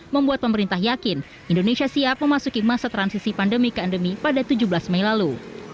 membuat pemerintah yakin indonesia siap memasuki masa transisi pandemi ke endemi pada tujuh belas mei lalu